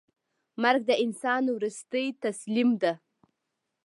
مرګ د انسان وروستۍ تسلیم ده.